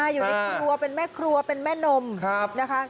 อยู่ในครัวเป็นแม่ครัวเป็นแม่นมนะคะ